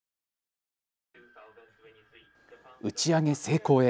打ち上げ成功へ。